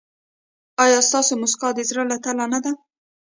ایا ستاسو مسکا د زړه له تله نه ده؟